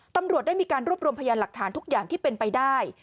ตำรวจได้มีการรวบรวมพยานหลักฐานทุกอย่างที่เป็นไปได้